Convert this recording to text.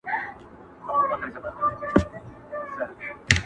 هسي نه زړه مي د هیلو مقبره سي.